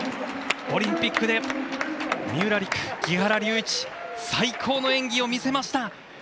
オリンピックで三浦璃来、木原龍一最高の演技を見せました！